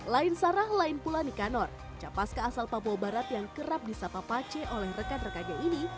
lain sarah lain pula nikanor capaska asal papua barat yang kerap disapa pace oleh rekan rekannya ini